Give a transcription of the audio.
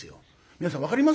皆さん分かりますか？